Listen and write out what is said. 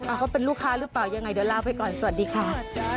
เขาเป็นลูกค้าหรือเปล่ายังไงเดี๋ยวลาไปก่อนสวัสดีค่ะ